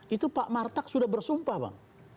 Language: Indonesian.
itu pak martak sudah bersumpah bang